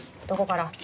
どこから？